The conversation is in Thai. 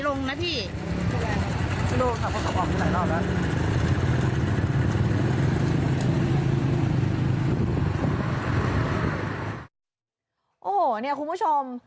โอ้โหเนี่ยคุณผู้ชม